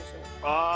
ああ